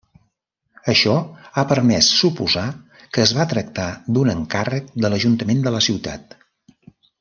Això ha permès suposar que es va tractar d'un encàrrec de l'Ajuntament de la ciutat.